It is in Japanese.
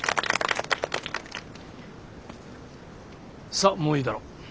さっもういいだろう。